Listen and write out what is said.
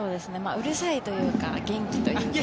うるさいというか元気というか。